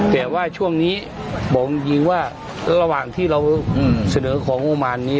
แต่ว่าช่วงนี้บอกจริงว่าระหว่างที่เราเสนอของงบมารนี้